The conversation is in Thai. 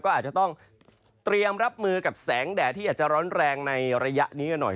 ก็อาจจะต้องเตรียมรับมือกับแสงแดดที่อาจจะร้อนแรงในระยะนี้กันหน่อย